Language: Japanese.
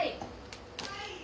・はい。